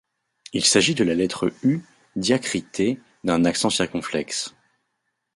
Il s’agit de la lettre U diacritée d’un accent circonflexe.